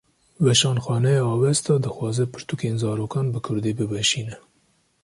Weşanxaneya Avesta, dixwaze pirtûkên zarokan bi Kurdî biweşîne